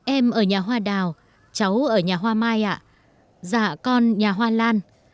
em ở nhà hoa đào cháu ở nhà hoa mai ạ con nhà hoa lan